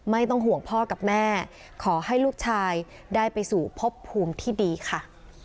ไม่ต้องห่วงพ่อกับแม่ขอให้ลูกชายได้ไปสู่พบภูมิที่ดีค่ะ